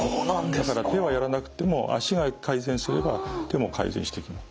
だから手はやらなくっても足が改善すれば手も改善してきます。